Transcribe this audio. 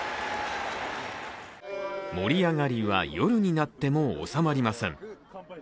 盛り上がりは夜になっても収まりません。